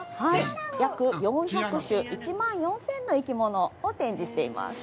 約４００種、１万４０００の生き物を展示しています。